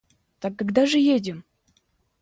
Так когда же едем?